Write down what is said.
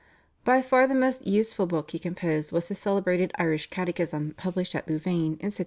By far the most useful book he composed was his celebrated Irish Catechism published at Louvain in 1626.